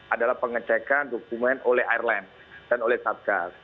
adalah pengecekan dokumen oleh airline dan oleh satgas